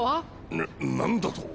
な何だと？